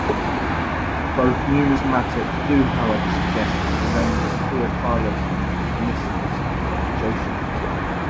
Both numismatics do however suggest that the reigns of Theophilos and Nicias were adjacent.